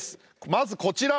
まずこちら！